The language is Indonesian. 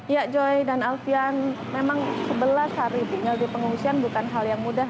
ya joy dan alfian memang sebelas hari tinggal di pengungsian bukan hal yang mudah